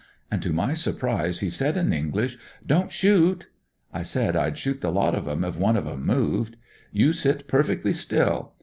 And to my sur prise he said in English, ' Don't shoot !' I said I'd shoot the lot of 'em if one of 'em moved. * You sit perfectly still.